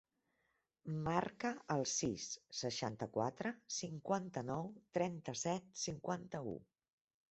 Marca el sis, seixanta-quatre, cinquanta-nou, trenta-set, cinquanta-u.